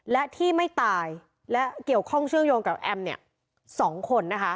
และที่ไม่ตายและเกี่ยวข้องเชื่อมโยงกับแอม๒คน